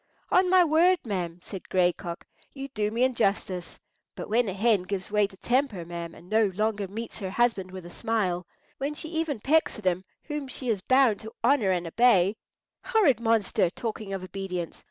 "On my word, ma'am," said Gray Cock, "you do me injustice. But when a hen gives way to temper, ma'am, and no longer meets her husband with a smile—when she even pecks at him whom she is bound to honour and obey—" "Horrid monster! talking of obedience!